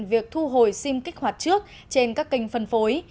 việc thu hồi sim kích hoạt trước trên các kênh phân phối